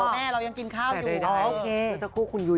แม่เรายังทำกินข้าวอยู่